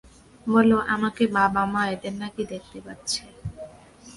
বলল আমাকে-বাবা-মা এদের নাকি দেখতে পাচ্ছে।